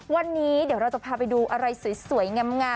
วันนี้เดี๋ยวเราจะพาไปดูอะไรสวยงาม